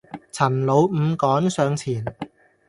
陳老五趕上前，